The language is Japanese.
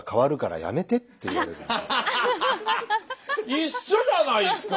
一緒じゃないっすか。